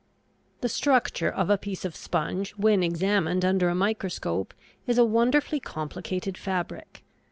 The structure of a piece of sponge when examined under a microscope is a wonderfully complicated fabric.